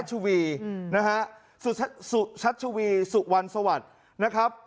สุชัชวีสุวันสวัสดิ์